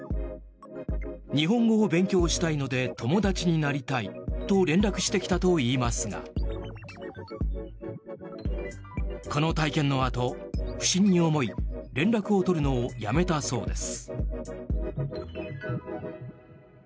日本語を勉強したいので友達になりたいと連絡してきたといいますがこの体験のあと、不審に思い連絡を取るのをやめたそうです。